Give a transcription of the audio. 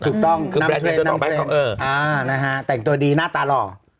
ถูกต้องน้ำเทรนด์น้ำเทรนด์อ่านะฮะแต่งตัวดีหน้าตาหล่อ